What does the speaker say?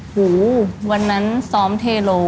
หูวันนั้นซ้อมเทโล